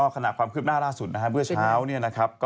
ขณะความคืบหน้าล่าสุดเบื่อเช้า